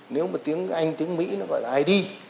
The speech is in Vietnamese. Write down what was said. nếu mà tiếng anh tiếng mỹ nó gọi là id